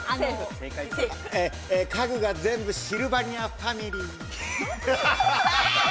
家具が全部、シルバニアファミリー。